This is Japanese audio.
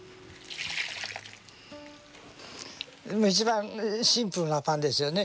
一番シンプルなパンですよね